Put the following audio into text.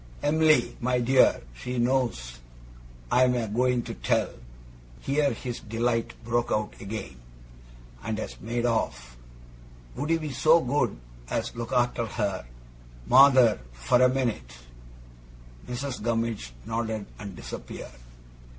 Em'ly, my dear! She knows I'm a going to tell,' here his delight broke out again, 'and has made off. Would you be so good as look arter her, Mawther, for a minute?' Mrs. Gummidge nodded and disappeared.